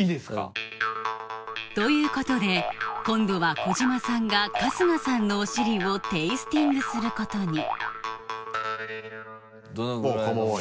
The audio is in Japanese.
いいですか？ということで今度は小島さんが春日さんのお尻をテイスティングすることにどのぐらいの。